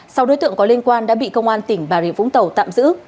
sau đối tượng có liên quan đã bị công an tỉnh bà rịa vũng tàu tạm giữ